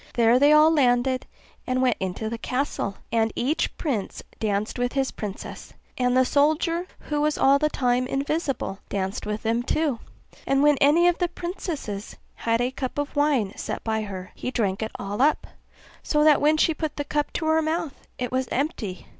There they all landed, and went into the castle, and each prince danced with his princess; and the soldier, who was all the time invisible, danced with them too; and when any of the princesses had a cup of wine set by her, he drank it all up, so that when she put the cup to her mouth it was empty.